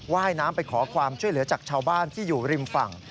ว่ายน้ำไปขอความช่วยเหลือจากชาวบ้านที่อยู่ริมฝั่ง